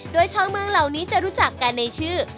โดยชาวเมืองเหล่านี้จะรู้จักกันในชื่อ